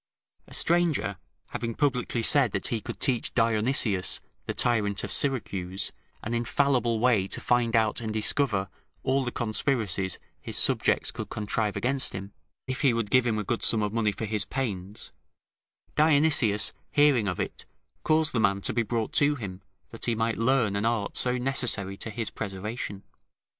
A stranger having publicly said, that he could teach Dionysius, the tyrant of Syracuse, an infallible way to find out and discover all the conspiracies his subjects could contrive against him, if he would give him a good sum of money for his pains, Dionysius hearing of it, caused the man to be brought to him, that he might learn an art so necessary to his preservation.